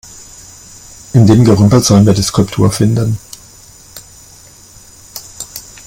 In dem Gerümpel sollen wir die Skulptur finden?